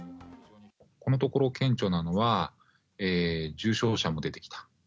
このところ顕著なのは、重症者も出てきた。